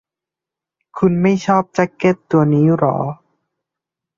คุณไม่ชอบแจ๊คเก็ตตัวนี้หรอ